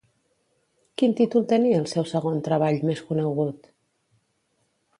Quin títol tenia el seu segon treball més conegut?